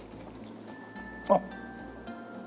あっ。